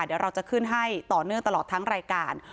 เดี๋ยวเราจะขึ้นให้ต่อเนื่องตลอดทั้งรายการ